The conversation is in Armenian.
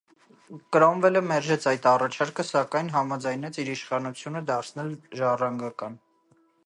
Կրոմվելը մերժեց այդ առաջարկը, սակայն համաձայնեց իր իշխանությունը ժառանգական դարձնել։